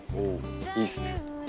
いいっすね。